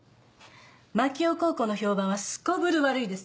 槙尾高校の評判はすこぶる悪いです。